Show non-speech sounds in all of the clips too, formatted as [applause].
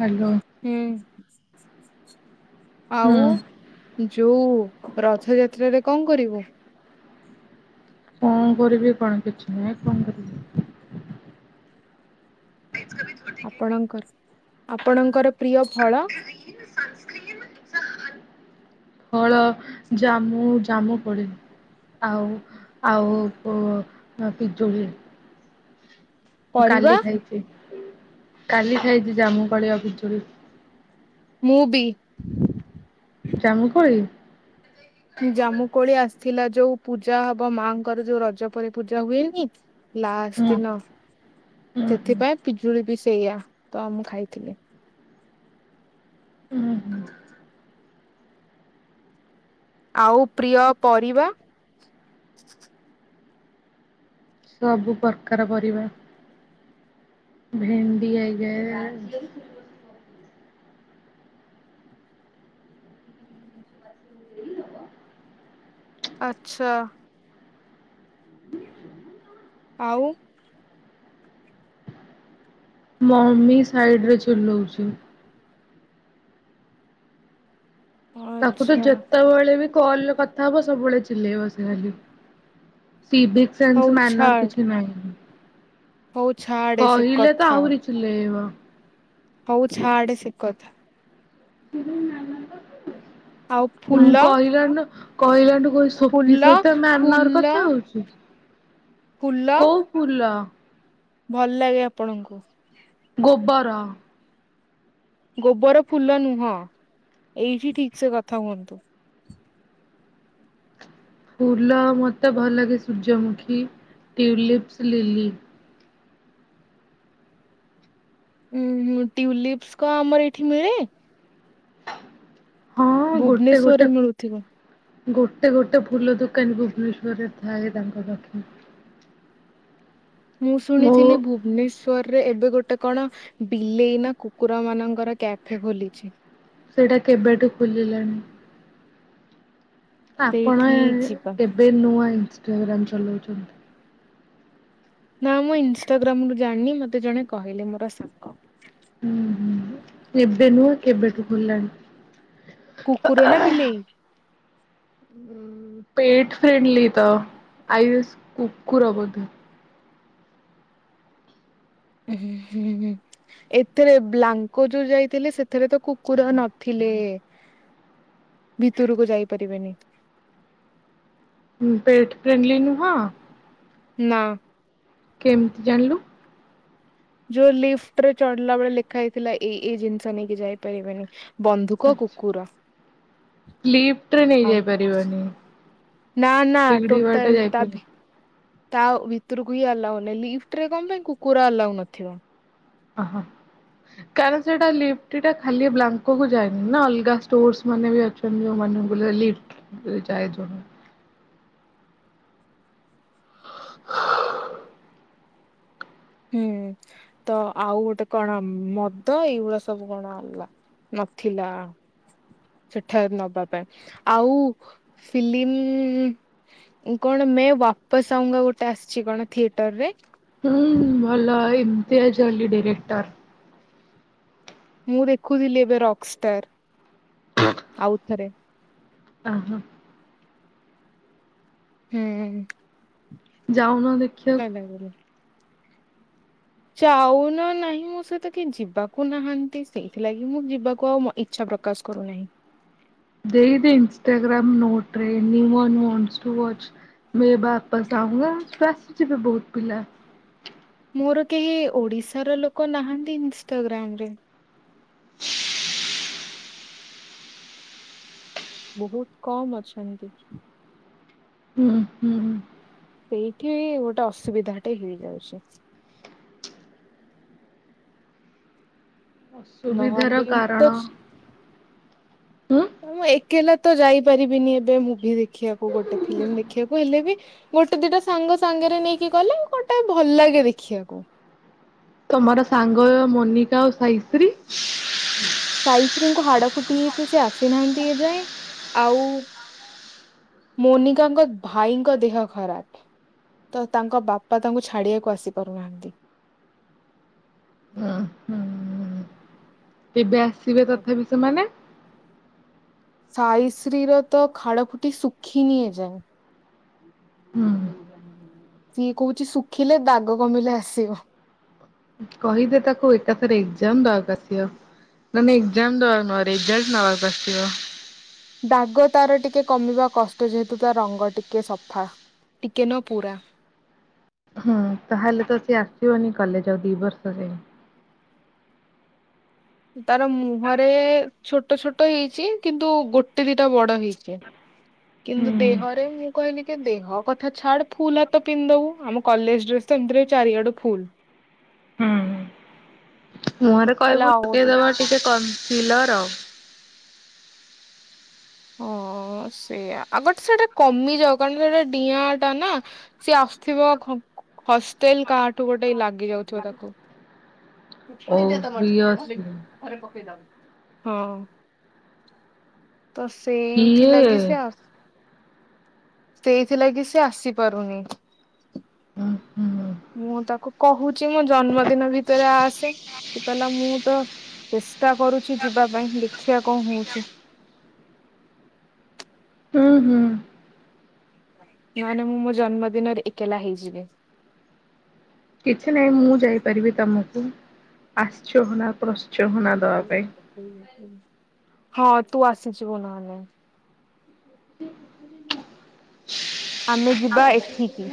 Hello. ହୁଁ ହୁଁ ଆଉ ଯଉ ରଥଯାତ୍ରାରେ କଣ କରିବୁ? କଣ କରିବି କଣ କିଛି ନାହିଁ କଣ କରିବି? ଆପଣଙ୍କର। ଆପଣଙ୍କର ପ୍ରିୟ ଫଳ? ଫଳ ଜାମୁ ଜାମୁ କୋଳି ଆଉ ଆଉ ପୋ ପିଜୁଳି। ପରିବା କାଲି ଖାଇଛି। କାଲି ଖାଇଛିି ଜାମୁ କୋଳି ଆଉ ପିଜୁଳି। ମୂବି। ଜାମୁ କୋଳି। ଜାମୁ କୋଳି ଆସି ଥିଲା ଯୋଉ ପୂଜା ହବ ମାଙ୍କର ଯୋଉ ରଜ ପରି ପୂଜା ହୁଏନି। ଲାଷ୍ଟ ହୁଁ ଦିନ ହୁଁ ହୁଁ ସେଥିପାଇଁ ପିଜୁଳି ବି ସେଇଆା ତ ମୁଁ ଖାଇଥିଲି ହୁଁ ଆଉ ପ୍ରିୟ ପରିବା ସବୁ ପ୍ରକାର ପରିବା ଭେଣ୍ଡି ଆଜ୍ଞା ଆଚ୍ଛା ଆଉ ମମି ସାଇଡ ରେ ଚୁଲଉଛି ତାକୁ ତ ଆଚ୍ଛା ଯେତେବେଳେ ବି କଲ କଥା ହବ ସବୁବେଳେ ଚିଲେଇବ ସେ ଖାଲି ସିିକ ହଉ ସେନ୍ସ ମାନର ଛାଡ କିଛି ନହିଁ ହଉ ଛାଡେ ସେ କହିଲେ ତ ଆହୁରି ଲେଇବ ହଉଚଛ ଆଡେ ଶକତ ତ ନାମ ଆଉ ଁ ଫୁଲ କହିଲଣ୍ଡ କହିଲାଣିୁ ସୋଫି ଫୁଲ ସହିତ ମ୍ୟ ନର ଫୁଲ କଥା ହଉଛି ଫୁଲ କୋଉ ଫୁଲ? ଭଲ ଲାଗେ ଆପଣଙ୍କୁ। ଗୋ୍ବର। ଗୋବର ଫୁଲ ନୁହଁ ଏଇଠି ଠିକ ସେ କଥା ହୁଅନ୍ତୁ। ଫୁଲ ମତେ ଭଲ ଲାଗେ ସୂର୍ଯ୍ୟମୁଖୀ ଟ୍ୟୁଲିପ୍ପସ୍ ଲିଲି। ଉ ଟ୍ୟୁଲିପ୍ପସ୍ କ ଆମର ଏଇଠି ମିଳେ? ହଁ ଗୋଟେ ଗୋଟେ ଭୁବନେଶ୍ଵରରେ ମିଳୁଥିବ। ଗୋଟେ ଗୋଟେ ଫୁଲ ଦୋକାନୀ ଭୁବନେଶ୍ଵରରେ ଥାଏ ତାଙ୍କ ଦକ୍ଷିଣ ମୁଁ ଶୁଣିଥିଲି ଭୁବନେଶ୍ଵରରେ ଏବେ ଗୋଟେ କଣ? ବିଲେଇ ନା କୁକୁର ମାନଙ୍କର କ୍ୟାଫେ ଖୋଲିଛି। ଏଇଟା କେବେଠୁ ଖୋଲିଲାଣି। ଆପଣ ସେଇଠି ଯିବା ଏବେ ନୂଆ ହେଇଛି। [unintelligible] ଚଲାଉଛନ୍ତି ନା ମୁଁ ଇନଷ୍ଟାଗ୍ରାମ ରୁ ଜାଣିନି ମତେ ଜଣେ କହିଲେ ମୋର ସାଙ୍ଗ। ହୁଁ ହୁଁ ଏବେ ନୁହଁ କେବେଠୁ ଖୋଲିଲାଣି। କୁକୁର ନା ବିଲେଇ? ଉ ପେଟ ଫ୍ରେଣ୍ଡଲି ତ ଆଇ ଉଇସ କୁକୁର ବୋଧେ। ହୁଁ ହୁଁ ହୁଁ ଏଥିରେ ବ୍ଲାଙ୍କ ଯୋଉ ଯାଇଥିଲେି ସେଥିରେ ତ କୁକୁର ନଥିଲେ ଭିତରକୁ ଯାଇପାରିବେନି। ହ ପେଟ ଫ୍ରେଣ୍ଡଲି ନୁ ହଁ। ନା। କେମିତି ଜାଣିଲୁ? ଯୋଉ ଲିଫ୍ଟ ରେ ଚଢିଲା ବେଳେ ଲେଖା ହେଇଥିଲା ଏଇ ଏଇ ଜିନିଷ ନେଇକି ଯାଇପାରିବନି। ଆଚ୍ଛା [unintelligible] ଲିପ୍ଟରେ ନେଇ ଆଉ ଯାଇପାରିବନି। ନା ନା ଟୋଟାଲ ତା ବି। ତା ଭିତରକୁ ହି ଆଲାଉ ନାଇଁ ଲିଫ୍ଟ ରେ କଣ ପାଇଁ କୁକୁର ଆଲାଉ ନଥିବ? ଅହ କାରଣ ସେଟା ଲିଫ୍ଟ ଟା ଖାଲି ବ୍ଲାଙ୍କକୁ ଯାଏନି ନା ଅଲଗା ଷ୍ଟୋରସ୍ ମାନେ ବି ଅଛନ୍ତି ଯୋଉ ୱାନେବୁଲେ ଲିଫ୍ଟ ଯାଏ ଯୋଉଟା। ହୁଁ ତ ଆଉ ଗୋଟେ କଣ ମଦ ଏଇଗୁଡା ସବୁ କଣ ହେଲା ନଥିଲା ସେଠାରେ ନବା ପାଇଁ ଆଉ ଫିଲ୍ମି କଣ ମେ ବାପସ ଆଉଙ୍ଗା ଗୋଟେ ଆସିଛି କଣ ଥିଏଟର ରେ। ହୁଁ ଭଲ ଇମତିଆଜ୍ ଅଲ୍ଲୀ ଡିରେକ୍ଟର୍। ମୁଁ ଦେଖୁଥିଲି ଏବେ ରକଷ୍ଟାର ଆଉଥରେ। ଅ ହୋ। ହେଁ ଯାଉନ ଦେଖିଆକୁ। ଚାଉନ ନାହିଁ ମୋ ସହିତ କେହି ଯିବାକୁ ନାହାନ୍ତି। ସେଇଥିଲାଗି ମୁଁ ଯିବାକୁ ଆଉ ମ ଇଚ୍ଛା ପ୍ରକାଶ କରୁନାହିଁ। ଦେଇଦେ ଇନଷ୍ଟାଗ୍ରାମ ନୋଟରେ any one wants to watch ମେ ବାପସ ଆଉଙ୍ଗା ଟ୍ରସ୍ ଆସିବେ ବହୁତ ପିଲା। ମୋର କେହି ଓଡିଶାର ଲୋକ ନାହାନ୍ତି ଇନଷ୍ଟାଗ୍ରାମ ରେ। [inaudible] ବହୁତ କମ୍ ଅଛନ୍ତି। ହୁଁ ହୁଁ ହୁଁ। ସେଇଠି ଗୋଟେ ଅସୁବିଧାଟେ ହେଇଯାଉଛି। ଅସୁବିଧାର ନହେଲେ ମୁଁ କାରଣ। ହୁଁ ତ ମୁଁ ଏକେଲା ତ ଯାଇପାରିବିନି ଏବେ ମୁଭି ଦେଖିବାକୁ ଗୋଟେ ଫିଲ୍ମ ଦେଖିବାକୁ ହେଲେ ବି ଗୋଟେ ଦିଟା ସାଙ୍ଗ ସାଙ୍ଗରେ ନେଇକି ଗଲେ ଗୋଟା ଭଲ ଲାଗେ ଦେଖିବାକୁ। ତମର ସାଙ୍ଗ ମୋନିକା ଆଉ ସାଇଶ୍ରୀ ସାଇତ୍ରୀଙ୍କୁ ହାଡ ଫୁଟି ହେଇଛି ସେ ଆସିନାହାନ୍ତି ଏ ଯାଏ ଆଉ ମୋନିକାଙ୍କ ଭାଇଙ୍କ ଦେହ ଖରାପ ତ ତାଙ୍କ ବାପା ତାଙ୍କୁ ଛାଡିବାକୁ ଆସିପାରୁନାହାନ୍ତି। ଦିବ୍ୟା ଥିବେ ତଥାପି ସେମାନେ। ସାଇଶ୍ରୀର ତ ଖାଡ ଫୁଟି ଶୁଖିନି ଏଯାଏ। ହୁଁ ସିଏ କହୁଛି ଶୁଖିଲେ ଦାଗ କମିଲେ ଆସିବ। କହିଦେ ତାକୁ ଏକାଥରେ ଏକ୍ଜାମ ଦବାକୁ ଆସିବ ନ ଏକ୍ଜାମ ଦବାକୁ ନୁହଁ ରେଜଲ୍ଟ ନବାକୁ ଆସିବ। ଦାଗ ତାର ଟିକେ କମିବା କଷ୍ଟ ଯେହେତୁ ତା ରଙ୍ଗ ଟିକେ ସଫା ଟିକେ ନ ପୁରା ହୁଁ ତାହଲେ ତ ସେ ଆସିବନି କଲେଜ ଆଉ ଦି ବର୍ଷ ଯାଏ। ତାର ମୁହଁରେ ଛୋଟ ଛୋଟ ହେଇଛି କିନ୍ତୁ ଗୋଟେ ଦିଟା ବଡ ହେଇଛି। ହୁଁ କିନ୍ତୁ ଦେହରେ ମୁଁ କହିଲି ଦେହ କଥା ଛାଡ ଫୁଲ ହାତ ପିନ୍ଧଦବୁ ଆମ କଲେଜ ଡ୍ରେସ ତ ଏମିତିରେ ଚାରିଆଡୁ ଫୁଲ। ହୁଁ। ମୁହଁରେ କହିଲା କହିବୁ ହଉ ଲଗେଇଦବା ଟିକେ କମ ବିଲର [unintelligible] ହଁ ସେଇଆ ଆଗଟ ସେଟା କମିଯାଉ କାରଣ ସେଟା ଡିଆଁ ଟା ନା ସିଏ ଆସୁଥିବ ହଷ୍ଟେଲ କାହାଠୁ ଗୋଟେ ଲାଗି ଯାଉଥିବ ତାକୁ। ଚୁପୁଡି ଦେ ତମଠେ ଭଲକି ଓବିଅସଲି ଘରେ ପକେଇ ଦବୁ। ହଁ। ତ କିଏ ସେଇଥିଲାଗି ସେ ଆସ ସେଇଥିଲାଗି ସେ ଆସିପାରୁନି। ଉଁ ହୁଁ। ମୁଁ ତାକୁ କହୁଛି ମୋ ଜନ୍ମଦିନ ଦିନ ଭିତରେ ଆସେ। ସେ କହିଲା ମୁଁ ତ ଚେଷ୍ଟା କରୁଛି ଯିବା ପାଇଁ ଦେଖିଆ କଣ ହଉଛି। ହୁଁ ହୁଁ। ନ ହେଲେ ମୁଁ ମୋ ଜନ୍ମ ଦିନରେ ଏକଲା ହେଇଯିବି। କିଛି ନାଇଁ ମୁଁ ଯାଇପାରିବି ତମକୁ ଆସଛ ନା ପ୍ରଶ୍ନ [inaudible] ହଁ ତୁ ଆସିଯିବୁ ନହେଲେ। ଆମେ ଯିବା ଏଠିକି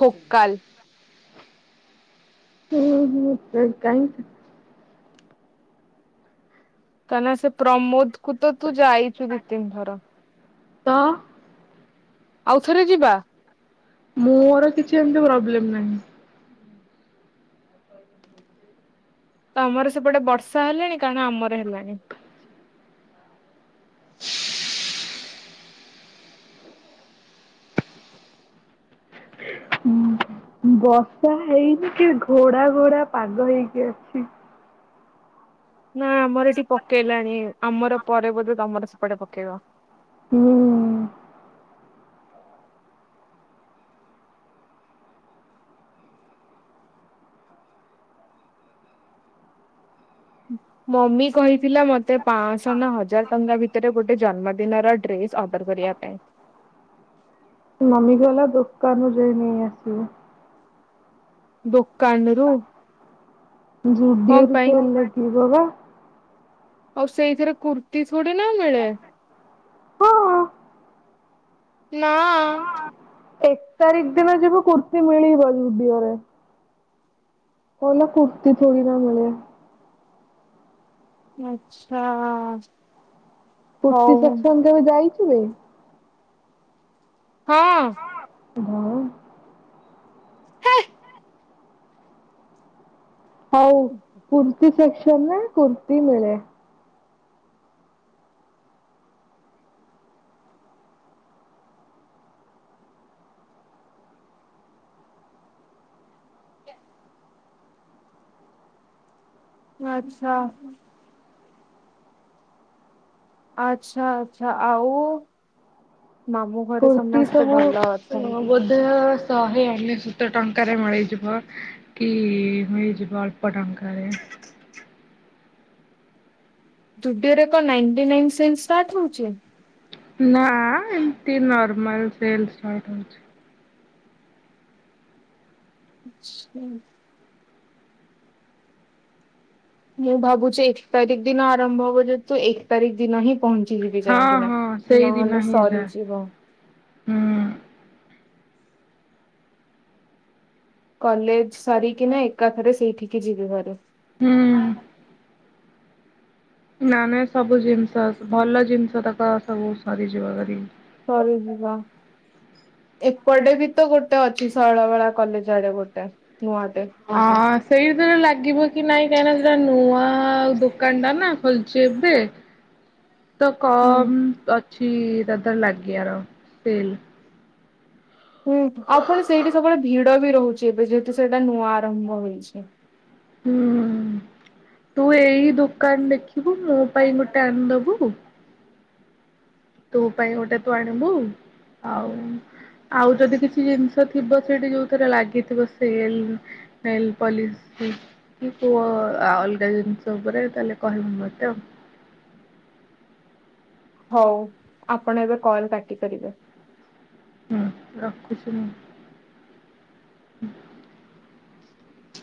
ଥୋକାଲ। [unintelligible] କାଇଁ କାଇଁ ନା ସେ ପ୍ରମୋଦକୁ ତ ତୁ ଯାଇଛୁ ଦି ତିନି ଥର। ତ ଆଉଥରେ ଯିବା। ମୋର କିଛି ଏମତି ପ୍ରୋବ୍ଲେମ ନାହିଁ। ତମର ସେପଟେ ବର୍ଷା ହେଲାଣି କାରଣ ଆମର ହେଲାଣି। ବର୍ଷା ହେଇନି କି ଘୋଡା ଘୋଡା ପାଗ ହେଇକି ଅଛି। ନା ଆମର ଏଠିକି ପକେଇଲାଣି ଆମର ପରେ ବୋଧେ ତମର ସେପଟେ ପକେଇବ। ହୁଁ। ମମି କହିଥିଲା ମତେ ପାଶ ହଜାର ଟଙ୍କା ଭିତରେ ଗୋଟେ ଜନ୍ମଦିନର ଡ୍ରେସ ଅର୍ଡର କରିବା ପାଇଁ ନମିଗଲା ଦୋକାନୁଯାୟୀ ନେଇ ଆସିବ। ଦୋକନ ରୁ ଯୁଡ଼ିଓ ର ସେ ହେଲ ବବା [inaudible] ଆଉ ସେଇଥିରେ କୁର୍ତ୍ତିୀ ଥୋଡ଼ି ନା ମିଳେ। ହଁ। ନାଆ ଏକ ତାରିଖ ଦିନ ଯିବୁ କୁର୍ତ୍ତିୀ ମିଳିବ ଯୁଡିଓରେ ଓଲା କୁର୍ତି ଥୋଡ଼ି ନା ମିଳେଆ ଆଚ୍ଛାଆ। ପୁର୍ତ୍ତି ସେକ୍ସନ କେବେ ଯାଇଛି। ମେ ହଁ। [unintelligible] ହେଏ। ହଉ କୁର୍ତି ସେ [unintelligible] କେମେ କୁର୍ତି ମିଳେ ଆଚ୍ଛା। ଆଚଛା ଆଚଛା ଆଉ। ମାମୁଁ ଘରେ କୁର୍ତ୍ତିୀ ସମସ୍ତେ ଭଲ ସବୁ ଅଛନ୍ତି। ବୋଧେ ଶହେ ଅନେସତ ଟଙ୍କାରେ ମିଳିଯିବ କି ମିଳିଯିବ ଅଳ୍ପ ଟଙ୍କାରେ ଓରେ କଣ ନାଇଟି ନ ସି ଷ୍ଟା ଟ ହଉଛି। ନା ଏମତି ନର୍ମାଲ ସେଲ୍ସ୍ ରହିଥାଉ। ଚ୍ଛା। ମୁଁ ଭାବୁଛି ଏକ ତାରିଖ ଦିନ ଆରମ୍ଭ ହବ ଯେହେତୁ ଏକ ତାରିଖ ଦିନ ହିଁ। ପହଞ୍ଚିଯିବି ହଁ ଯାଇଁକି ନା ହଁ ସେଇଦିନ ନହେଲେ ହିଁ ଯା ସରିଯିବ। ହୁଁ କଲେଜ ସରିକିନା ଏକାଥରେ ସେଇଠିକି ଯିବି ଘାରୁ। ହୁଁ। ନା ନା ସବୁ ଜିନିଷ ଅଛି। ଭଲ ଜିନିଷ ତାକ ସବୁ ସରିଯିବ କରି ସରିଯିବା ଏପଟେ ବି ତ ଗୋଟେ ଅଛି ସରଳ ବଳା କଲେଜ ଆଡେ ଗୋଟେ। ନୂଆଟେ। ହଁ ସେଇଦିନ ଲାଗିବ। କି ନାଇଁ କାହିଁ ସେଟା ନୂଆ ଦୋକାନ ଟା ନା ଖୋୋଲିଛି ଏବେ ତ ହୁଁ କମ ଏଧର ଲାଗଗ ର ସେଲ ହୁଁ ଆଉ ପୁଣ ସେଇଠି ସବୁବେଳେ ଭିଡ ବି ରହୁଛି ଏବେ ଯେହେତୁ ସେଇଟା ନୂଆ ଆରମ୍ଭ ହେଇଛି। ହୁଁ ତୁ ଏଇ ଦୋକାନ ଦେଖି ଥିବୁ ମୋ ପାଇଁ ଗୋଟେ ଆଣି ଦବୁ। ତୋ ପାଇଁ ଗୋଟା ତୁ ଆଣିବୁ ଆଉ ଆଉ ଯଦି କିଛି ଜିନିଷ ଥିବ ସେଠି ଯୋଉଥିରେ ଲାଗିଥିବ ସେଲ ସେଲ ପଲିଶି କି କୋଉ ଅଲଗା ଜିନିଷ ଉପରେ ତାହେଲେ କହିବୁ ମତେ ଆଉ। ହଉ ଆପଣ ଏବେ କଲ କାଟି କାଟିପାରିବେ। ହୁଁ ରଖୁଛି ମୁଁ।